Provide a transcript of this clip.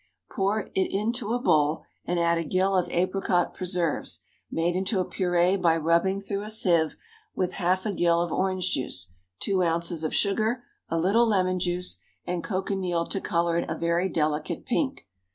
Pour it into a bowl, and add a gill of apricot preserve, made into a purée by rubbing through a sieve with half a gill of orange juice, two ounces of sugar, a little lemon juice, and cochineal to color it a very delicate pink.